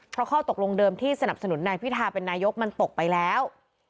เพราะข้อตกลงเดิมที่สนับสนุนนายพิทาเป็นนายกมันตกไปแล้ว